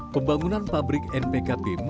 pembangunan pabrik npk pim